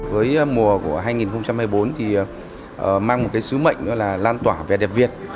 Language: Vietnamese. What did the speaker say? với mùa của hai nghìn hai mươi bốn thì mang một sứ mệnh là lan tỏa vẻ đẹp việt